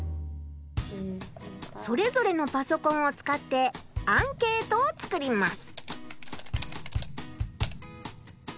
それぞれのパソコンを使ってアンケートを作ります。